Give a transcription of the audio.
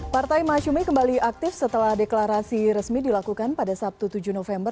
partai masyumi kembali aktif setelah deklarasi resmi dilakukan pada sabtu tujuh november